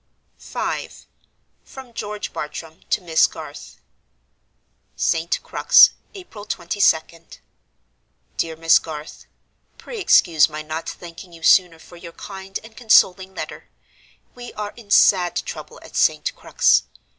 V. From George Bartram to Miss Garth. "St. Crux, April 22d. "DEAR MISS GARTH, "Pray excuse my not thanking you sooner for your kind and consoling letter. We are in sad trouble at St. Crux.